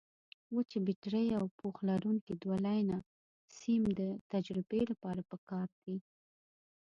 وچې بټرۍ او پوښ لرونکي دوه لینه سیم د تجربې لپاره پکار دي.